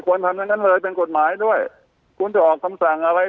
ทำอย่างนั้นเลยเป็นกฎหมายด้วยคุณจะออกคำสั่งอะไร